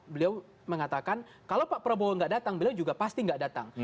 beliau mengatakan kalau pak prabowo nggak datang beliau juga pasti nggak datang